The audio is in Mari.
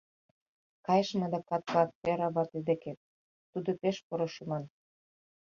Кайышым адакат клат-хӓрра вате деке, тудо пеш поро шӱман.